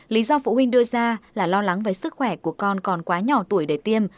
lý do phụ huynh đưa ra là lo lắng về sức khỏe của con còn quá nhỏ tuổi để tiêm